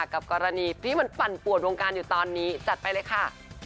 กับกรณีที่มันปั่นปวดวงการอยู่ตอนนี้จัดไปเลยค่ะ